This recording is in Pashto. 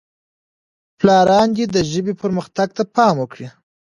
پلاران دې د ژبې پرمختګ ته پام وکړي.